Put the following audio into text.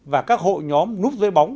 và các hội nhóm núp dưới bóng